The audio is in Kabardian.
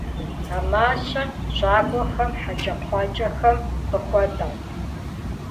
А мащэр щакӀуэхэм хьэкӀэкхъуэкӀэхэм къыхуатӀат.